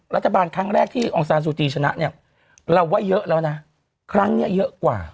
รัฐบาลครั้งแรกที่องซานซูจีชนะเนี่ยเราว่าเยอะแล้วนะครั้งนี้เยอะกว่า